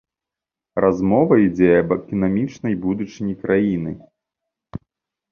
Размова ідзе аб эканамічнай будучыні краіны.